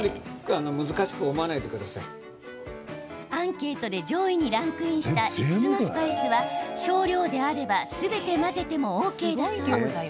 アンケートで上位にランクインした５つのスパイスは少量であれば、すべて混ぜてもＯＫだそう。